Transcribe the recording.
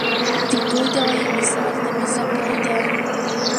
د دې دوائي مثال د بې ساکۍ دے